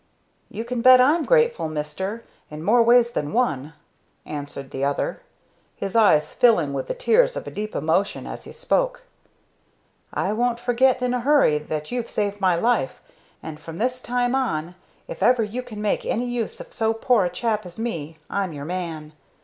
"You can bet I'm grateful, Mister, in more ways than one," answered the other, his eyes filling with the tears of a deep emotion as he spoke. "I won't forget in a hurry that you've saved my life, and from this time on, if ever you can make any use of so poor a chap as me, I'm your man.